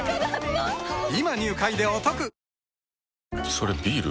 それビール？